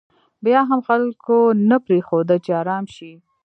بیا هم خلکو نه پرېښوده چې ارام شي.